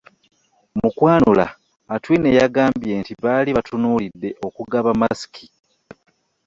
Mu kwanula, Atwine yagambye nti baali batunuulidde okugaba masiki